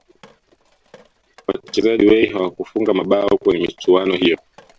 wachezaji wengi hawakufunga mabao kwenye michuano hiyo